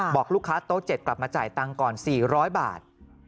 บอกลูกค้าโต๊ะ๗กลับมาจ่ายตังค์ก่อน๔๐๐บาท